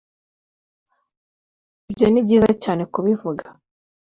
Ibyo ni byiza cyane kubivuga